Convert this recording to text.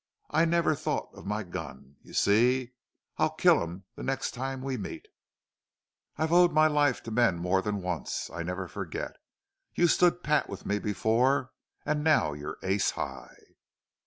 I never thought of my gun. You see!... I'll kill him the next time we meet.... I've owed my life to men more than once. I never forget. You stood pat with me before. And now you're ace high!'"